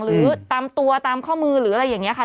หรือตามตัวตามข้อมือหรืออะไรอย่างนี้ค่ะ